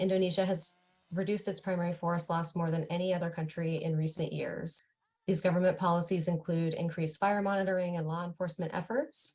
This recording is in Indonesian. untuk meningkatkan penyelamatan dan usaha penyelamatan